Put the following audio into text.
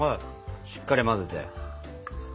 しっかり混ぜて。